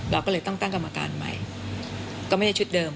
เราก็เลยต้องตั้งกรรมการใหม่ก็ไม่ใช่ชุดเดิม